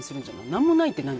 何もないって何？